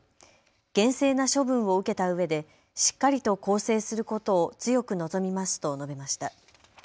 厳正な処分を受けたうえでしっかりと更生することを強く望みますと述べました。